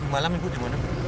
tadi malam ibu di mana